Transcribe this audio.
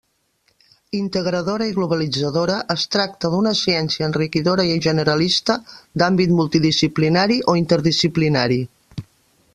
Integradora i globalitzadora, es tracta d'una ciència enriquidora i generalista, d'àmbit multidisciplinari o interdisciplinari.